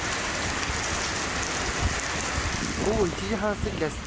午後１時半過ぎです。